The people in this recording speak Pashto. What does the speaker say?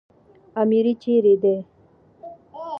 اميري چيري دئ؟